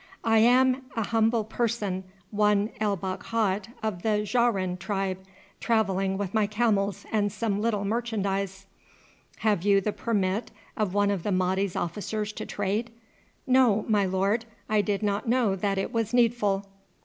"I am an humble person, one El Bakhat of the Jahrin tribe, travelling with my camels and some little merchandise." "Have you the permit of one of the Mahdi's officers to trade?" "No, my lord, I did not know that it was needful."